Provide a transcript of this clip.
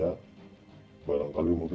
barang barang yang dipindahkan